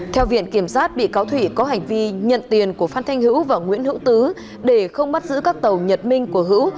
theo viện kiểm sát bị cáo thủy có hành vi nhận tiền của phan thanh hữu và nguyễn hữu tứ để không bắt giữ các tàu nhật minh của hữu